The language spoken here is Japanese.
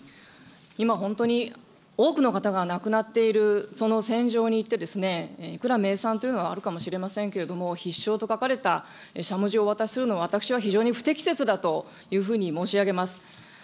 今、本当に多くの方が亡くなっている、その戦場に行って、いくら名産というのはあるかもしれませんけれども、必勝と書かれたしゃもじを渡すのは、私は非常に不適切だというふうに申し上げます。